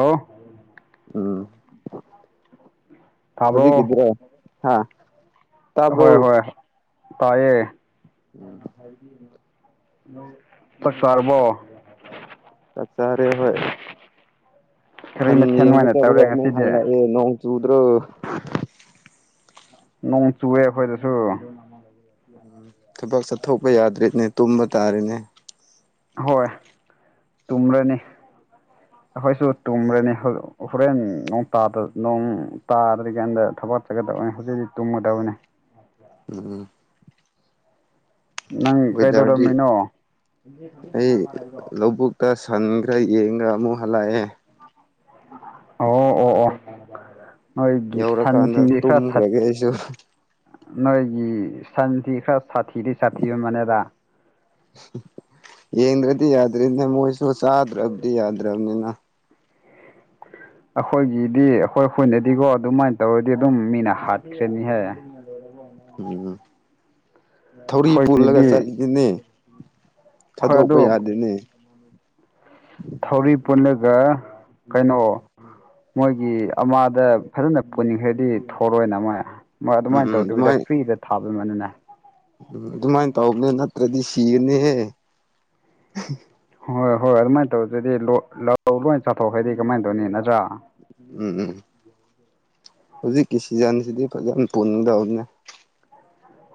ꯑꯣ ꯎꯝ ꯇꯥꯕ꯭ꯔꯣ ꯍꯨꯖꯤꯛꯀꯤꯗꯨꯔ ꯍꯥꯥ ꯍꯣꯏ ꯍꯣꯏ ꯇꯥꯏꯌꯦ ꯎꯝ ꯆꯥꯛ ꯆꯥꯔꯕꯣ ꯆꯥꯛ ꯆꯥꯔꯦ ꯍꯣꯏ ꯀꯔꯤ ꯁꯟ ꯃꯊꯦꯜ ꯌꯦꯡꯕ ꯑꯣꯏꯅ ꯆꯠꯂꯒ ꯇꯧꯔꯦ ꯑꯃꯨꯛ ꯉꯁꯤꯗꯤ ꯍꯜꯂꯑꯦ ꯅꯣꯡ ꯆꯨꯗ꯭ꯔꯣ ꯅꯣꯡ ꯆꯨꯌꯦ ꯑꯈꯣꯏꯗꯁꯨ ꯎꯝ ꯊꯕꯛ ꯆꯠꯊꯣꯛꯄ ꯌꯥꯗ꯭ꯔꯦꯅꯦ ꯇꯨꯝꯕ ꯇꯥꯔꯦꯅꯦ ꯍꯣꯏ ꯇꯨꯝꯔꯅꯤ ꯑꯈꯣꯏꯁꯨ ꯇꯨꯝꯔꯅꯤ ꯍꯣ ꯍꯣꯔꯦꯟ ꯅꯣꯡ ꯇꯥꯗ ꯅꯣꯡ ꯇꯥꯗ꯭ꯔꯤ ꯀꯥꯟꯗ ꯊꯕꯛ [unintelligible] ꯇꯧꯌꯦ ꯍꯧꯖꯤꯛ ꯃꯨꯛ ꯇꯨꯝꯒꯗꯕꯅꯦ ꯎꯝ ꯎꯝ ꯅꯪ ꯋꯦꯗꯔꯗꯤ ꯀꯩꯗꯧꯔꯝꯃꯤꯅꯣ ꯑꯩ ꯂꯧꯕꯨꯛ ꯑꯁ ꯍꯟꯒ꯭ꯔꯦ ꯑꯩ ꯌꯦꯡꯔꯒ ꯑꯃꯨꯛ ꯍꯜꯂꯛꯑꯦ ꯑꯣ ꯑꯣ ꯑꯣ ꯅꯣꯏꯒꯤ ꯌꯧꯔꯀꯥꯟꯗ ꯁꯟꯁꯤꯡꯖꯦ ꯈꯔ ꯊꯠ ꯇꯨꯝꯈ꯭ꯔꯒꯦ ꯑꯩꯁꯨ ꯅꯣꯏꯒꯤ ꯁꯟꯁꯤ ꯈꯔ ꯁꯥꯊꯤꯗꯤ ꯁꯥꯊꯤꯕ ꯃꯥꯟꯂꯦꯗꯥ ꯌꯦꯡꯗ꯭ꯔꯗꯤ ꯌꯥꯗ꯭ꯔꯦꯅꯦ ꯃꯣꯏꯁꯨ ꯆꯥꯗ꯭ꯔꯕꯗꯤ ꯌꯥꯗ꯭ꯔꯕꯅꯤꯅ ꯑꯈꯣꯏꯒꯤꯗꯤ ꯑꯈꯣꯏ ꯈꯣꯏꯅꯗꯤꯒꯣ ꯑꯗꯨꯃꯥꯏꯅ ꯇꯧꯔꯗꯤ ꯑꯗꯨꯝ ꯃꯤꯅ ꯍꯥꯠꯈ꯭ꯔꯅꯤ ꯍꯦ ꯎꯝ ꯊꯧꯔꯤ ꯄꯨꯜꯂꯒ ꯑꯩꯈꯣꯏꯒꯤꯗꯤ ꯆꯠꯒꯅꯤ ꯍꯣꯏ ꯊꯥꯗꯣꯛꯄ ꯑꯗꯨ ꯌꯥꯗꯦꯅꯦ [inaudible] ꯊꯧꯔꯤ ꯄꯨꯜꯂꯒ ꯀꯩꯅꯣ ꯃꯣꯏꯒꯤ ꯑꯃꯥꯗ ꯐꯖꯅ ꯄꯨꯟꯈ꯭ꯔꯗꯤ ꯊꯣꯔꯣꯏꯅ ꯃꯣꯏ ꯃꯥ ꯎꯝ ꯑꯗꯨꯃꯥꯏꯅ ꯎꯝ ꯇꯧꯗꯕꯤꯗ ꯑꯗꯨꯃꯥꯏ ꯐ꯭ꯔꯤꯗ ꯊꯥꯕꯗꯣ ꯗꯨꯃꯥꯏꯅꯅꯦ ꯎꯝ ꯑꯗꯨꯃꯥꯏꯅ ꯇꯧꯕꯅꯦ ꯅꯠꯇ꯭ꯔꯗꯤ ꯁꯤꯒꯅꯤꯍꯦ ꯍꯣꯏ ꯍꯣꯏ ꯑꯗꯨꯃꯥꯏꯅ ꯇꯧꯗ꯭ꯔꯗꯤ ꯂꯧ ꯂꯧ ꯑꯗꯨꯃꯥꯏ ꯆꯥꯊꯣꯛ ꯍꯥꯏꯗꯤ ꯀꯃꯥꯏꯟ ꯇꯧꯅꯤ ꯅꯠꯇ꯭ꯔꯥ ꯎꯝ ꯎꯝ ꯍꯧꯖꯤꯛꯀꯤ ꯁꯤꯖꯟꯁꯤꯗꯤ ꯐꯖꯅ ꯄꯨꯟꯗꯧꯅꯦ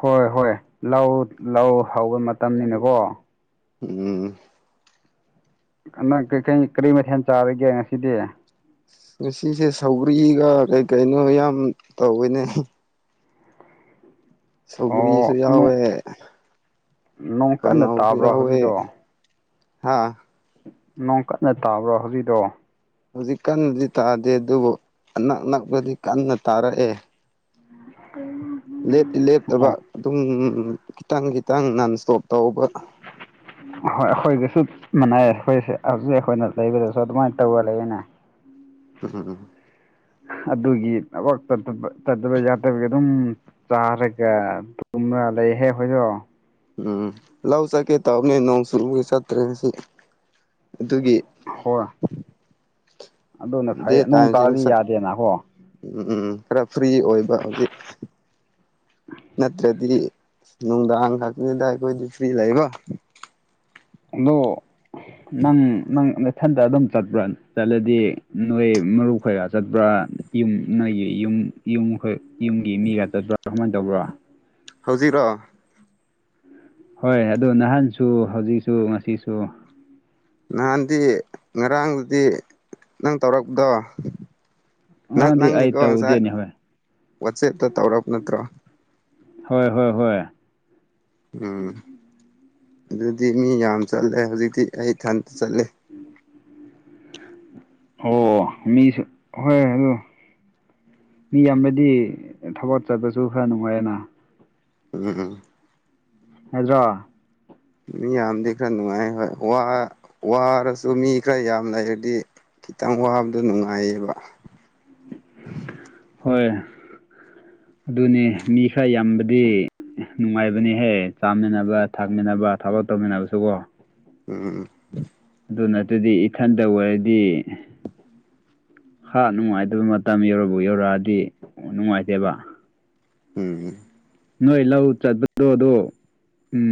ꯍꯣꯏ ꯍꯣꯏ ꯂꯧ ꯂꯧ ꯍꯧꯕ ꯃꯇꯝꯅꯤꯅꯀꯣ ꯎꯝ ꯑ ꯅꯪ ꯀꯔꯤ ꯃꯊꯦꯜ ꯆꯥꯔꯒꯦ ꯉꯁꯤꯗꯤ ꯉꯁꯤꯁꯦ ꯁꯧꯒ꯭ꯔꯤꯒ ꯀꯩ ꯀꯩꯅꯣ ꯌꯥꯝ ꯇꯧꯋꯤꯅꯦ ꯍꯦ ꯁꯧꯒ꯭ꯔꯤꯖꯨ ꯑꯣ ꯌꯥꯎꯌꯦ ꯅꯣꯡ ꯀꯟꯅ ꯀꯥꯡꯉꯧꯖꯨ ꯇꯥꯕ꯭ꯔꯣ ꯌꯥꯎꯌꯦ ꯍꯧꯖꯤꯛꯗꯣ ꯍꯥꯥ ꯅꯣꯡ ꯀꯟꯅ ꯇꯥꯕ꯭ꯔꯣ ꯍꯧꯖꯤꯛꯗꯣ ꯍꯧꯖꯤꯛ ꯀꯟꯅꯗꯤ ꯇꯥꯗꯦ ꯑꯗꯨꯕꯨ ꯑꯅꯛ ꯅꯛꯄꯗꯤ ꯀꯟꯅ ꯇꯥꯔꯛꯑꯦ [unintelligible] ꯂꯦꯞꯇꯤ ꯑꯣ ꯂꯦꯞꯇꯕ ꯑꯗꯨꯝ ꯈꯤꯇꯪ ꯈꯤꯇꯪ ꯅꯟ ꯁꯇꯣꯞ ꯇꯧꯕ [inaudible] ꯍꯣꯏ ꯑꯈꯣꯏꯒꯁꯨ ꯃꯥꯟꯅꯩꯌꯦ ꯑꯈꯣꯏꯁꯦ ꯍꯧꯖꯤꯛ ꯑꯩꯈꯣꯏꯅ ꯂꯩꯕꯗꯁꯨ ꯑꯗꯨꯃꯥꯏꯅ ꯇꯧꯔ ꯂꯩꯌꯦꯅꯦ ꯎ ꯍꯨ ꯍꯨꯝ [unintelligible] ꯑꯗꯨꯒꯤ ꯊꯕꯛ ꯆꯠꯄ ꯆꯠꯇꯕ ꯌꯥꯗꯕꯒꯤ ꯑꯗꯨꯝ ꯆꯥꯔꯒ ꯇꯨꯝꯔ ꯂꯩꯍꯦ ꯑꯩꯈꯣꯏꯖꯨ ꯎꯝ ꯂꯧ ꯆꯠꯀꯦ ꯇꯧꯕꯅꯦ ꯅꯣꯡ ꯆꯨꯕꯒꯤ ꯆꯠꯇ꯭ꯔꯦ ꯉꯁꯤ ꯑꯗꯨꯒꯤ ꯍꯣꯢ ꯑꯗꯨꯅ ꯗꯦ ꯐꯩ ꯅꯣꯡ ꯇꯥꯏꯝꯁꯦ ꯇꯥꯔꯗꯤ ꯉꯁꯥꯏ ꯌꯥꯗꯦꯅꯥ ꯒꯣ ꯎꯝ ꯎꯝ ꯈꯔ ꯐ꯭ꯔꯤ ꯑꯣꯏꯕ ꯍꯧꯖꯤꯛ ꯅꯠꯇ꯭ꯔꯗꯤ ꯅꯨꯡꯗꯥꯡ ꯈꯛꯇꯅꯤꯗꯥ ꯑꯩꯈꯣꯏꯗꯤ ꯐ꯭ꯔꯤ ꯂꯩꯕ ꯑꯗꯣ ꯅꯪ ꯅꯪ ꯅꯊꯟꯇ ꯑꯗꯨꯝ ꯆꯠꯄ꯭ꯔꯥ ꯆꯠꯂꯗꯤ ꯅꯣꯏ ꯃꯔꯨꯞ ꯈꯩꯒ ꯆꯠꯄ꯭ꯔꯥ ꯌꯨꯝ ꯅꯣꯏꯒꯤ ꯌꯨꯝ ꯌꯨꯝ ꯑꯩꯈꯣꯏ ꯌꯨꯝꯒꯤ ꯃꯤꯒ ꯆꯠꯄ꯭ꯔꯥ ꯀꯃꯥꯏ ꯇꯧꯕ꯭ꯔꯥ ꯍꯧꯖꯤꯛꯔꯣ ꯍꯣꯏ ꯑꯗꯨ ꯅꯍꯥꯟꯁꯨ ꯍꯧꯖꯤꯛꯁꯨ ꯉꯁꯤꯁꯨ ꯅꯍꯥꯟꯗꯤ ꯉꯔꯥꯡꯗꯨꯗꯤ ꯅꯪ ꯇꯧꯔꯛꯄꯗꯣ ꯅꯪ ꯉꯔꯥꯡꯗꯤ ꯑꯩ ꯅꯪꯅꯤꯀꯣ ꯉꯁꯥꯏ ꯇꯧꯗꯦꯅꯦ ꯍꯣꯏ ꯋꯥꯆꯦꯞꯇ ꯇꯧꯔꯛꯄ ꯅꯠꯇ꯭ꯔꯣ ꯍꯣꯏ ꯍꯣꯏ ꯍꯣꯏ ꯎꯝ ꯑꯗꯨꯗꯤ ꯃꯤ ꯌꯥꯝ ꯆꯠꯂꯦ ꯍꯧꯖꯤꯛꯇꯤ ꯑꯩ ꯏꯊꯟꯇ ꯆꯠꯂꯦ ꯍꯣ ꯃꯤꯁꯨ ꯍꯣꯏ ꯑꯗꯨ ꯃꯤ ꯌꯥꯝꯃꯗꯤ ꯊꯕꯛ ꯆꯠꯄꯁꯨ ꯈꯔ ꯅꯨꯡꯉꯥꯏꯌꯦꯅ ꯎꯝ ꯍꯦꯖꯣ ꯃꯤ ꯌꯥꯝꯗꯤ ꯈꯔ ꯅꯨꯡꯉꯥꯏ ꯍꯣꯏ ꯋꯥ ꯋꯥꯔꯁꯨ ꯃꯤ ꯈꯔ ꯌꯥꯝ ꯂꯩꯔꯗꯤ ꯈꯤꯇꯪ ꯋꯥꯕꯗꯨ ꯅꯨꯡꯉꯥꯏꯌꯦꯕ ꯍꯣꯏ ꯑꯗꯨꯅꯤ ꯃꯤ ꯈꯔ ꯌꯥꯝꯕꯗꯤ ꯅꯨꯡꯉꯥꯏꯕꯅꯤꯍꯦ ꯆꯥꯃꯤꯟꯅꯕ ꯊꯛꯃꯤꯟꯅꯕ ꯊꯕꯛ ꯇꯧꯃꯤꯟꯅꯕꯁꯨꯀꯣ ꯎꯝ ꯎꯝ ꯎꯝ ꯑꯗꯨ ꯅ ꯑꯗꯨꯗꯤ ꯏꯊꯟꯇ ꯑꯣꯏꯔꯗꯤ ꯍꯥ ꯅꯨꯡꯉꯥꯏꯇꯕ ꯃꯇꯝ ꯌꯧꯔ ꯌꯧꯔꯛꯑꯗꯤ ꯅꯨꯡꯉꯥꯏꯇꯦꯕ ꯎꯝ ꯅꯣꯏ ꯂꯧ ꯆꯠꯄꯗꯣ ꯑꯗꯣ ꯎꯝ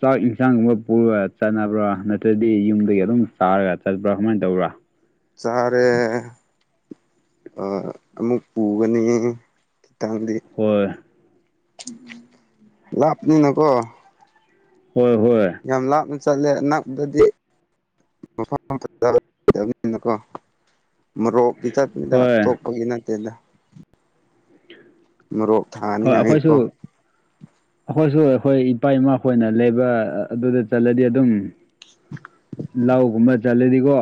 ꯆꯥꯛ ꯏꯟꯁꯥꯡꯒꯨꯝꯕ ꯄꯨꯔ ꯆꯠꯅꯕ꯭ꯔꯥ ꯅꯠꯇ꯭ꯔꯗꯤ ꯌꯨꯝꯗꯒꯤ ꯑꯗꯨꯝ ꯆꯥꯔꯒ ꯆꯠꯄ꯭ꯔꯥ ꯀꯃꯥꯏꯟ ꯇꯧꯕ꯭ꯔꯥ ꯆꯥꯔꯦ ꯑꯥ ꯑꯃꯨꯛ ꯄꯨꯒꯅꯤ ꯈꯤꯇꯪꯗꯤ ꯍꯣꯏ ꯂꯥꯞꯅꯤꯅꯀꯣ ꯍꯣꯏ ꯍꯣꯏ ꯌꯥꯝ ꯂꯥꯞꯅ ꯆꯠꯂꯦ ꯅꯛꯄꯗꯗꯤ ꯃꯐꯝ [unintelligible] ꯅꯀꯣ ꯃꯣꯔꯣꯛ ꯀꯤ ꯆꯠꯅꯤꯗ ꯍꯣꯏ ꯑꯇꯣꯞꯄꯒꯤ ꯅꯠꯇꯦꯗ ꯃꯣꯔꯣꯛ ꯍꯣꯏ ꯑꯈꯣꯏꯁꯨ ꯊꯥꯅꯤꯡꯉꯥꯏꯀꯣ ꯑꯈꯣꯏꯁꯨ ꯑꯈꯣꯏ ꯏꯄꯥ ꯏꯃꯥꯈꯣꯏꯅ ꯂꯩꯕ ꯑꯗꯨꯗ ꯆꯠꯂꯗꯤ ꯑꯗꯨꯝ ꯂꯧꯒꯨꯝꯕ ꯆꯠꯂꯗꯤꯀꯣ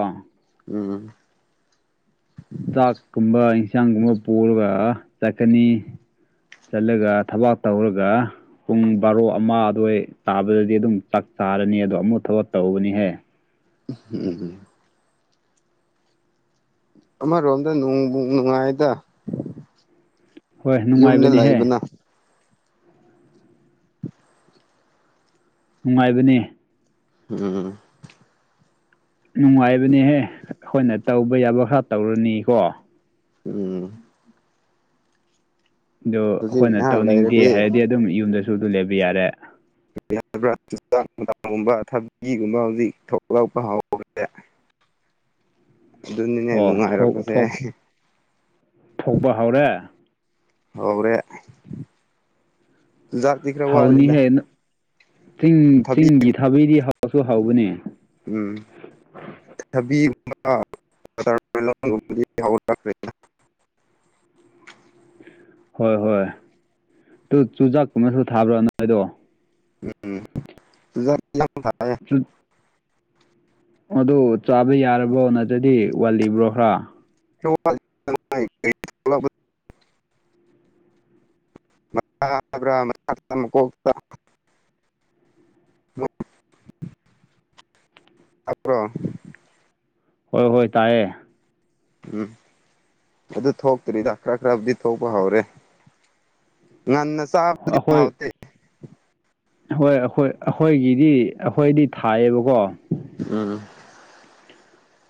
ꯎꯝ ꯆꯥꯛꯀꯨꯝꯕ ꯏꯟꯁꯥꯡꯒꯨꯝꯕ ꯄꯨꯔꯒ ꯆꯠꯀꯅꯤ ꯆꯠꯂꯒ ꯊꯕꯥꯛ ꯇꯧꯔꯒ ꯄꯨꯡ ꯕꯥꯔꯣ ꯑꯃ ꯑꯗꯨꯋꯥꯏ ꯇꯥꯕꯗꯗꯤ ꯑꯗꯨꯝ ꯆꯥꯛ ꯆꯥꯔꯅꯤ ꯑꯗꯣ ꯑꯃꯨꯛ ꯊꯕꯛ ꯇꯧꯒꯅꯤꯍꯦ ꯎꯝ ꯑꯃꯔꯣꯝꯗ ꯅꯨꯡꯕꯨ ꯅꯨꯡꯉꯥꯏꯗ ꯍꯣꯏ ꯌꯨꯝꯗ ꯅꯨꯡꯉꯥꯏꯕꯅꯤꯍꯦ ꯂꯩꯕꯅ ꯅꯨꯡꯉꯥꯏꯕꯅꯦ ꯎꯝ ꯅꯨꯡꯉꯥꯏꯕꯅꯦꯍꯦ ꯑꯈꯣꯏꯅ ꯇꯧꯕ ꯌꯥꯕ ꯈꯔ ꯇꯧꯔꯅꯤꯀꯣ ꯎꯝ ꯑꯗꯨ ꯍꯧꯖꯤꯛ ꯑꯈꯣꯏꯅ ꯉꯥꯏꯍꯥꯛ ꯇꯧꯅꯤꯡꯗꯦ ꯂꯩꯔꯗꯤ ꯍꯥꯏꯔꯗꯤ ꯑꯗꯨꯝ ꯌꯨꯝꯗꯁꯨ ꯑꯗꯨ ꯂꯩꯕ ꯌꯥꯔꯦ ꯌꯥꯕ꯭ꯔꯥ ꯆꯥ [unintelligible] ꯒꯨꯝꯕ ꯊꯛꯕꯤꯒꯨꯝꯕ ꯍꯧꯖꯤꯛ ꯊꯣꯛꯂꯛꯄ ꯍꯧꯈ꯭ꯔꯦ [inaudible] ꯑꯗꯨꯅꯤꯅꯦ ꯑꯣ ꯅꯨꯡꯉꯥꯏꯔꯛꯄꯁꯦ ꯊꯧꯕ ꯍꯧꯔꯦ ꯍꯧꯔꯦ ꯖꯥꯛꯇꯤ ꯈꯔ ꯋꯥꯠꯂꯤꯗ ꯍꯧꯅꯤꯍꯦ ꯆꯤꯡ ꯊꯕꯤ ꯆꯤꯡꯒꯤ ꯊꯥꯕꯤꯗꯤ ꯍꯥꯎꯁꯨ ꯍꯥꯎꯕꯅꯦ [unintelligible] ꯍꯣꯏ ꯍꯣꯏ ꯇꯨ ꯆꯨꯖꯥꯛꯀꯨꯝꯕꯁꯨ ꯊꯥꯕ꯭ꯔꯥ ꯅꯣꯏꯗꯣ [unintelligible] ꯆꯨꯠ ꯑꯗꯣ ꯆꯥꯕ ꯌꯥꯔꯕ꯭ꯔꯣ ꯅꯠꯇ꯭ꯔꯗꯤ ꯋꯥꯠꯂꯤꯕ꯭ꯔꯣ ꯈ꯭ꯔꯥ [unintelligible] [unintelligible] [inaudible] ꯇꯥꯕ꯭ꯔꯣ ꯍꯣꯏ ꯍꯣꯏ ꯇꯥꯏꯌꯦ ꯎꯝ ꯑꯗꯨ ꯊꯣꯛꯇ꯭ꯔꯤꯗ ꯈꯔ ꯈꯔꯕꯨꯗꯤ ꯊꯣꯛꯄ ꯍꯧꯔꯦ ꯉꯟꯅꯥ ꯆꯥꯕꯗꯨꯗꯤ ꯑꯩꯈꯣꯏ ꯍꯥꯎꯇꯦ ꯍꯣꯏ ꯑꯩꯈꯣꯏ ꯑꯩꯈꯣꯏꯒꯤꯗꯤ ꯑꯩꯈꯣꯏꯗꯤ ꯊꯥꯏꯌꯦꯕꯀꯣ ꯎꯝ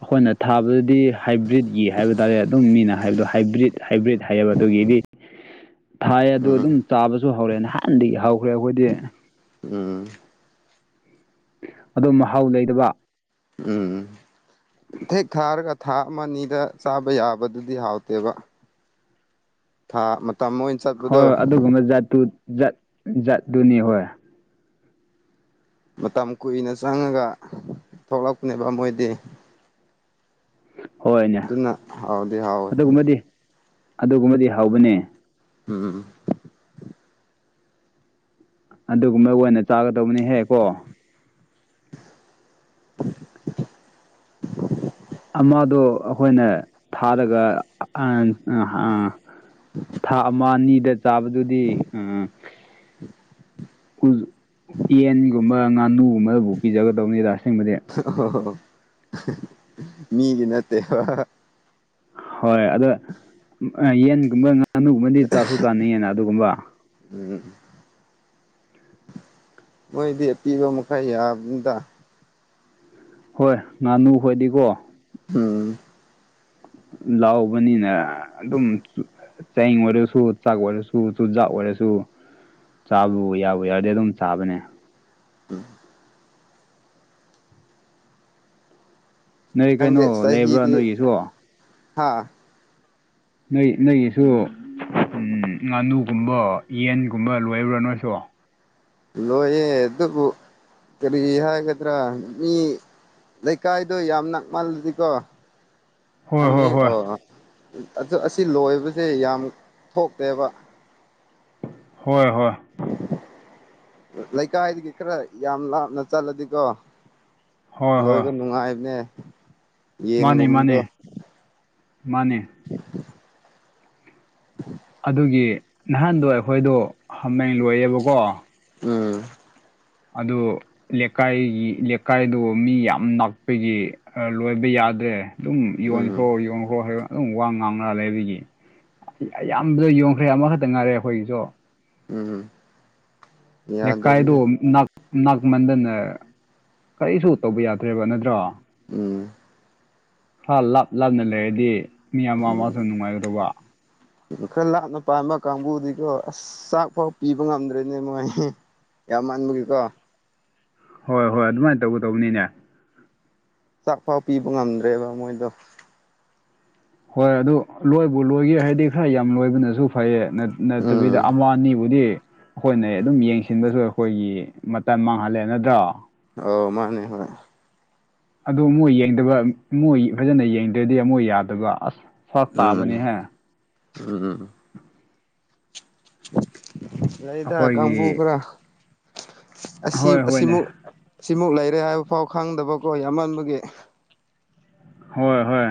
ꯑꯩꯈꯣꯏꯅ ꯊꯥꯕꯗꯨꯗꯤ ꯍꯥꯏꯕ꯭ꯔꯤꯠꯒꯤ ꯍꯥꯏꯕ ꯇꯥꯔꯦ ꯑꯗꯨ ꯃꯤꯅ ꯍꯥꯏꯕꯗꯣ ꯍꯥꯏꯕ꯭ꯔꯤꯠ ꯍꯥꯏꯕ꯭ꯔꯤꯠ ꯍꯥꯏꯌꯦꯕ ꯑꯗꯨꯒꯤꯗꯤ ꯊꯥꯏꯌꯦ ꯑꯗꯨ ꯎꯝ ꯑꯗꯨꯝ ꯆꯥꯕꯁꯨ ꯍꯧꯔꯦ ꯅꯍꯥꯟꯗꯒꯤ ꯍꯧꯈ꯭ꯔꯦ ꯑꯈꯣꯏꯗꯤ ꯎꯝ ꯑꯗꯣ ꯃꯍꯥꯎ ꯂꯩꯗꯕ ꯎꯝ ꯊꯦꯛ ꯊꯥꯔꯒ ꯊꯥ ꯑꯃ ꯑꯅꯤꯗ ꯆꯥꯕ ꯌꯥꯕꯗꯨꯗꯤ ꯍꯥꯎꯇꯦꯕ ꯊꯥ ꯑꯃ ꯍꯣꯏ ꯑꯗꯨꯒꯨꯝꯕ ꯖꯥꯠꯇꯨ ꯖꯥꯠ ꯖꯥꯠꯇꯨꯅꯤ ꯍꯣꯏ ꯃꯇꯝ ꯀꯨꯏꯅ ꯆꯪꯉꯒ ꯊꯣꯛꯂꯛꯄꯅꯦꯕ ꯃꯣꯏꯗꯤ ꯍꯣꯏꯅꯦ ꯑꯗꯨꯅ ꯍꯥꯎꯗꯤ ꯍꯥꯎꯋꯦ ꯑꯗꯨꯒꯨꯝꯕꯗꯤ ꯑꯗꯨꯒꯨꯝꯕꯗꯤ ꯍꯥꯎꯕꯅꯦ ꯎꯝ ꯑꯗꯨꯒꯨꯝꯕ ꯑꯣꯏꯅ ꯆꯥꯒꯗꯧꯕꯅꯦꯍꯦ ꯀꯣ ꯑꯃꯗꯣ ꯑꯈꯣꯏꯅ ꯊꯥꯔꯒ ꯑꯥ ꯑꯥ ꯑꯥ ꯊꯥ ꯑꯃ ꯑꯅꯤꯗ ꯆꯥꯕꯗꯨꯗꯤ ꯑꯨ ꯌꯦꯟꯒꯨꯝꯕ ꯉꯥꯅꯨꯒꯨꯝꯕꯗꯕꯨ ꯄꯤꯖꯒꯗꯧꯅꯤꯗ ꯑꯁꯦꯡꯕꯗꯤ ꯍꯥ ꯍꯥꯍꯣ ꯍꯥꯍꯥꯃꯤꯒꯤ ꯅꯠꯇꯦꯕꯍꯥꯍꯥ ꯍꯣꯏ ꯑꯗꯣ ꯌꯦꯟꯒꯨꯝꯕ ꯉꯥꯅꯨꯒꯨꯝꯕꯗꯤ ꯆꯥꯁꯨ ꯆꯥꯅꯤꯡꯉꯤꯅ ꯑꯗꯨꯒꯨꯝꯕ ꯎꯝ ꯃꯣꯏꯗꯤ ꯑꯄꯤꯕ ꯃꯈꯩ ꯌꯥꯕꯅꯤꯗ ꯍꯣꯏ ꯉꯥꯅꯨ ꯈꯣꯏꯗꯤꯀꯣ ꯎꯝ ꯂꯥꯎꯕꯅꯤꯅ ꯑꯗꯨꯝ ꯆꯌꯤꯡꯕꯗꯨꯁꯨ ꯆꯥꯛ ꯑꯣꯏꯔꯁꯨ ꯆꯨꯖꯥꯛ ꯑꯣꯏꯔꯁꯨ ꯆꯥꯕ ꯌꯥꯕꯨ ꯌꯥꯔꯗꯤ ꯑꯗꯨꯝ ꯆꯥꯕꯅꯦ ꯅꯣꯏ ꯀꯩꯅꯣ ꯂꯩꯕ꯭ꯔꯥ ꯅꯣꯏꯒꯤꯁꯨ ꯍꯥꯥ ꯅꯣꯏ ꯅꯣꯏꯒꯤꯁꯨ ꯉꯥꯅꯨꯒꯨꯝꯕ ꯌꯦꯟꯒꯨꯝꯕ ꯂꯣꯏꯕ꯭ꯔꯥ ꯅꯣꯏꯁꯨ ꯂꯣꯏꯌꯦ ꯑꯗꯨꯕꯨ ꯀꯔꯤ ꯍꯥꯏꯒꯗ꯭ꯔꯥ ꯃꯤ ꯂꯩꯀꯥꯏꯗꯣ ꯌꯥꯝ ꯅꯛꯃꯜꯂꯗꯤꯀꯣ ꯍꯣꯏ ꯊꯝꯃꯦ ꯍꯣꯏ ꯍꯣꯏ ꯑꯣ ꯑꯗꯨ ꯑꯁꯤ ꯂꯣꯏꯕꯁꯦ ꯌꯥꯝ ꯊꯣꯛꯇꯦꯕ ꯍꯣꯏ ꯍꯣꯏ ꯂꯩꯀꯥꯢꯗꯒꯤ ꯈꯔ ꯌꯥꯝ ꯂꯥꯞꯅ ꯆꯠꯂꯗꯤꯀꯣ ꯍꯣꯏ ꯍꯣꯏ ꯂꯣꯢꯕ ꯅꯨꯡꯉꯥꯢꯕꯅꯦ ꯃꯥꯅꯦ ꯃꯥꯅꯦ ꯃꯥꯅꯦ [unintelligible] ꯑꯗꯨꯒꯤ ꯅꯍꯥꯟꯗꯣ ꯑꯩꯈꯣꯢꯗꯣ ꯍꯥꯝꯃꯦꯡ ꯂꯣꯢꯌꯦꯕꯀꯣ ꯑ ꯑꯗꯨ ꯂꯦꯀꯥꯢꯒꯤ ꯂꯦꯀꯥꯢꯗꯨ ꯃꯤ ꯌꯥꯝ ꯅꯛꯄꯒꯤ ꯑ ꯂꯣꯢꯕ ꯌꯥꯗ꯭ꯔꯦ ꯗꯨꯝ ꯎꯝ ꯌꯣꯟꯈ꯭ꯔꯣ ꯌꯣꯟꯒ꯭ꯔꯣ ꯍꯥꯢꯕ ꯑꯗꯨꯝ ꯋꯥ ꯉꯥꯡꯅ ꯂꯩꯕꯒꯤ ꯑꯌꯥꯝꯕꯗ ꯌꯣꯟꯈ꯭ꯔꯦ ꯑꯃꯈꯇ ꯉꯥꯢꯔꯦ ꯑꯈꯣꯢꯒꯤꯁꯨ ꯎꯝ ꯂꯦꯀꯥꯢꯗꯨ ꯌꯥꯗꯕꯅꯦ ꯅꯛ ꯅꯛꯃꯟꯗꯅ ꯀꯔꯤꯁꯨ ꯇꯧꯕ ꯌꯥꯗ꯭ꯔꯦꯕ ꯅꯠꯇ꯭ꯔꯣ ꯎꯝ ꯍꯥ ꯂꯥꯞ ꯂꯥꯞꯅ ꯂꯩꯔꯗꯤ ꯃꯤ ꯑꯃ ꯑꯃꯖꯨ ꯅꯨꯡꯉꯥꯢꯒꯗꯧꯕ ꯈꯔ ꯂꯥꯞꯅ ꯄꯥꯟꯕ ꯀꯥꯡꯕꯨꯗꯤꯀꯣ ꯑꯁ ꯆꯥꯛꯐꯥꯎ ꯄꯤꯕ ꯉꯝꯗ꯭ꯔꯦꯅꯦ ꯃꯣꯢ ꯌꯥꯝꯃꯟꯕꯒꯤꯀꯣ ꯍꯣꯢ ꯍꯣꯢ ꯑꯗꯨꯃꯥꯢꯟ ꯇꯧꯒꯗꯧꯕꯅꯤꯅꯦ ꯆꯥꯛꯄꯥꯎ ꯄꯤꯕ ꯉꯝꯗ꯭ꯔꯦꯕ ꯃꯣꯢꯗꯣ ꯍꯣꯢ ꯑꯗꯨ ꯂꯣꯢꯕꯨ ꯂꯣꯢꯒꯦ ꯍꯥꯢꯔꯗꯤ ꯈꯔ ꯌꯥꯝ ꯂꯣꯢꯕꯅꯖꯨ ꯐꯩꯌꯦ ꯅꯠ ꯅꯠꯇꯕꯤꯗ ꯎꯝ ꯑꯃ ꯑꯅꯤꯕꯨꯗꯤ ꯈꯣꯢꯅꯦ ꯑꯗꯨꯝ ꯌꯦꯡꯁꯤꯟꯕꯖꯨ ꯑꯈꯣꯢꯒꯤ ꯃꯇꯝ ꯃꯥꯡꯍꯜꯂꯦ ꯅꯠꯗ꯭ꯔꯣ ꯑꯧ ꯃꯥꯟꯅꯦ ꯍꯣꯢ ꯑꯗꯨ ꯃꯣꯢ ꯌꯦꯡꯗꯕ ꯃꯣꯢ ꯐꯖꯅ ꯌꯦꯡꯗ꯭ꯔꯗꯤ ꯑꯃꯨꯛ ꯌꯥꯗꯕ ꯑꯁ ꯐꯔꯛ ꯎꯝ ꯇꯥꯕꯅꯤꯍꯦ ꯎꯝ ꯂꯩꯗ ꯑꯩꯈꯣꯏꯒꯤ ꯀꯥꯡꯕꯨ ꯈꯔ ꯑꯁꯤ ꯍꯣꯏ ꯍꯣꯏꯅꯦ ꯑꯁꯤꯃꯨ ꯁꯤꯃꯨꯛ ꯂꯩꯔꯦ ꯍꯥꯢꯕꯐꯥꯎ ꯈꯪꯗꯕꯀꯣ ꯌꯥꯝꯃꯟꯕꯒꯤ ꯍꯣꯢ ꯍꯣꯢ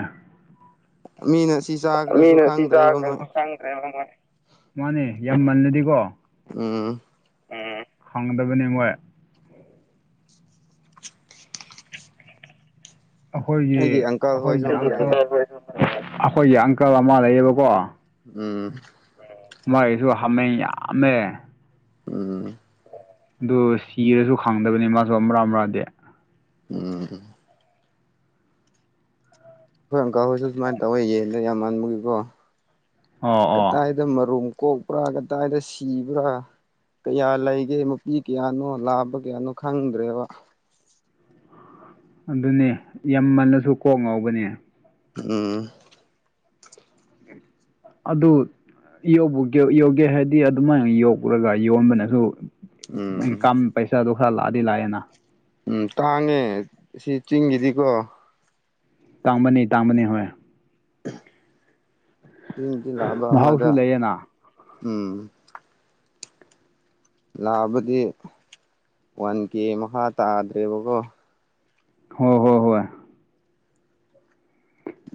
ꯃꯤꯅꯁ ꯃꯤꯅ ꯁꯤ ꯆꯥꯈ꯭ꯔꯁꯨ ꯈꯪꯗ꯭ꯔꯦ ꯃꯣꯢ ꯃꯥꯅꯦ ꯌꯥꯝꯃꯜꯂꯗꯤꯀꯣ ꯎꯝ ꯎꯝ ꯐꯪꯗꯕꯅꯦ ꯃꯣꯢ ꯑꯈꯣꯢꯒꯤ ꯑꯩꯒꯤ ꯑꯪꯀꯜ ꯑꯈꯣꯢꯒꯤ ꯍꯣꯏꯁꯨ ꯑꯃ [unintelligible] ꯂꯩꯌꯦ ꯑꯈꯣꯢꯒꯤ ꯑꯪꯀꯜ ꯑꯃ ꯂꯩꯌꯦꯕꯀꯣ ꯎꯝ ꯃꯥꯢꯖꯨ ꯍꯥꯃꯦꯡ ꯌꯥꯝꯃꯦ ꯎꯝ ꯑꯗꯨ ꯁꯤꯔꯖꯨ ꯈꯪꯗꯕꯅꯦ ꯃꯥꯖꯨ ꯑꯝꯔꯥ ꯑꯝꯔꯥꯗꯤ ꯎꯝ ꯈꯣꯢ ꯑꯪꯀꯜ ꯍꯣꯢꯖꯨ ꯁꯨꯃꯥꯢ ꯇꯧꯋꯦ ꯌꯦꯟꯗꯣ ꯌꯥꯝꯃꯟꯕꯒꯤꯀꯣ ꯑꯣ ꯑꯣ ꯇꯥꯢꯗ ꯃꯔꯨꯝ ꯀꯣꯛꯄ꯭ꯔꯒ ꯇꯥꯢꯗ ꯁꯤꯕ꯭ꯔ ꯀꯌꯥ ꯂꯩꯒꯦ ꯃꯄꯤ ꯀꯌꯥꯅꯣ ꯂꯥꯕ ꯀꯌꯥꯅꯣ ꯈꯪꯗ꯭ꯔꯦꯕ ꯑꯗꯨꯅꯦ ꯌꯥꯝꯃꯜꯂꯖꯨ ꯀꯣꯛ ꯉꯥꯎꯒꯅꯦ ꯎꯝ ꯑꯗꯨ ꯌꯣꯛꯕꯨꯒꯦ ꯌꯧꯒꯦ ꯍꯥꯢꯔꯗꯤ ꯑꯗꯨꯃꯥꯢ ꯌꯣꯛꯔꯒ ꯌꯣꯟꯕꯅꯖꯨ ꯎꯝ ꯕꯥꯢꯀꯝ ꯄꯩꯁꯥꯗꯣ ꯈꯔ ꯂꯥꯛꯑꯗꯤ ꯂꯥꯛꯑꯦꯅꯥ ꯎꯝ ꯇꯥꯡꯉꯦ ꯁꯤ ꯆꯤꯡꯒꯤꯗꯤꯀꯣ ꯇꯥꯡꯕꯅꯤ ꯇꯥꯡꯕꯅꯤ ꯍꯣꯏ ꯆꯤꯡꯗꯤ ꯂꯥꯕ ꯑꯃꯗ ꯃꯍꯥꯎꯁꯨ ꯂꯩꯌꯦꯅ ꯎꯝ ꯂꯥꯕꯗꯤ ꯋꯥꯟ ꯀꯦ ꯃꯈꯥ ꯇꯥꯗ꯭ꯔꯦꯕꯀꯣ ꯍꯣ ꯍꯣ ꯍꯣꯏ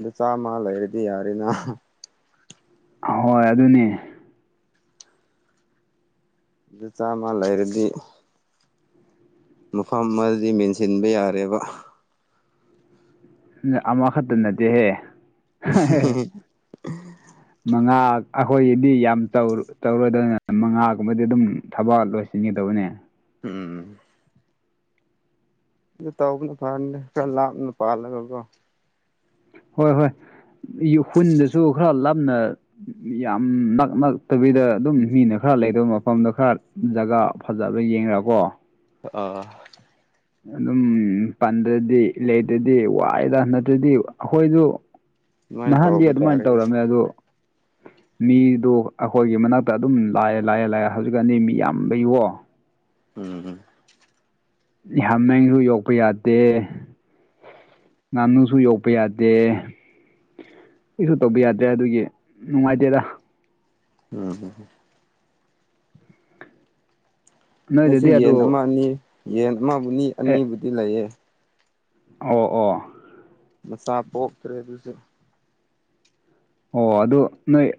ꯗꯨ ꯆꯥꯝꯃ ꯂꯩꯔꯗꯤ ꯌꯥꯔꯦꯅꯥ ꯑꯍꯣꯏ ꯑꯗꯨꯅꯦ ꯑꯗꯨ ꯆꯥꯝꯃ ꯂꯩꯔꯗꯤ ꯃꯐꯝ ꯑꯃꯗꯗꯤ ꯃꯦꯟꯁꯤꯟꯕ ꯌꯥꯔꯦꯕ ꯁꯤꯖꯦ ꯑꯃꯈꯛꯇ ꯅꯠꯇꯦꯍꯦ ꯍꯦꯍꯦꯍꯦ [unintelligible] ꯃꯉꯥ ꯑꯈꯣꯏꯒꯤꯗꯤ ꯌꯥꯝ ꯇꯧ ꯇꯧꯔꯣꯏꯗꯕꯅꯤ ꯃꯉꯥꯒꯨꯝꯕꯗꯤ ꯑꯗꯨꯝ ꯊꯕꯛ ꯂꯣꯏ ꯁꯤꯟꯒꯦ ꯇꯧꯋꯦꯅꯦ ꯎꯝ ꯑꯗꯨ ꯇꯧꯕꯅ ꯐꯔꯅꯤ ꯈꯔ ꯂꯥꯞꯅ ꯄꯥꯜꯂꯒꯀꯣ ꯍꯣꯏ ꯍꯣꯏ [unintelligible] ꯈꯔ ꯂꯥꯞꯅ ꯌꯥꯝ ꯅꯛ ꯅꯛꯇꯕꯤꯗ ꯑꯗꯨꯝ ꯃꯤꯅ ꯈꯔ ꯂꯩꯗꯕ ꯃꯐꯝꯗ ꯈꯔ ꯖꯒꯥ ꯐꯖꯕ ꯌꯦꯡꯔꯀꯣ ꯑꯥ ꯑꯗꯨꯝ ꯇꯟꯗ꯭ꯔꯗꯤ ꯂꯩꯗ꯭ꯔꯗꯤ ꯋꯥꯏꯗ ꯅꯠꯇ꯭ꯔꯗꯤ ꯑꯩꯈꯣꯏꯗꯣ ꯑꯗꯨꯃꯥꯏꯅ ꯅꯍꯥꯟꯗꯤ ꯇꯧꯕ ꯑꯗꯨꯃꯥꯏꯅ ꯇꯥꯔꯦ ꯑꯩꯁꯨ ꯇꯧꯔꯝꯃꯦ ꯑꯗꯣ ꯃꯤꯗꯣ ꯑꯩꯈꯣꯏꯒꯤ ꯃꯅꯥꯛꯇ ꯑꯗꯨꯝ ꯂꯥꯛꯑꯦ ꯂꯥꯛꯑꯦ ꯂꯥꯛꯑꯦ ꯍꯧꯖꯤꯛꯀꯥꯟꯗꯤ ꯃꯤ ꯌꯥꯝꯕꯩꯀꯣ ꯎꯝ ꯍꯃꯦꯡꯖꯨ ꯌꯣꯛꯄ ꯌꯥꯗꯦ ꯉꯅꯨꯁꯨ ꯌꯣꯛꯄ ꯌꯥꯗꯦ ꯀꯩꯁꯨ ꯇꯧꯕ ꯌꯥꯗ꯭ꯔꯦ ꯑꯗꯨꯒꯤ ꯅꯨꯡꯉꯥꯏꯇꯦꯗ ꯎꯝꯍꯨꯝ ꯑꯩꯁꯨ ꯅꯣꯏꯗꯗꯤ ꯑꯗꯨ ꯌꯦꯟ ꯑꯃ ꯑꯅꯤ ꯌꯦꯟ ꯑꯃꯕꯨꯗꯤ ꯑꯦ ꯑꯅꯤꯕꯨꯗꯤ ꯂꯩꯌꯦ ꯑꯣ ꯑꯣ ꯃꯆꯥ ꯄꯣꯛꯇ꯭ꯔꯦ ꯑꯗꯨꯁꯨ ꯑꯣ ꯑꯗꯨ ꯅꯣꯏ ꯑꯦ